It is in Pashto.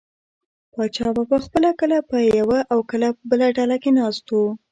پاچا به پخپله کله په یوه او کله بله ډله کې ناست و.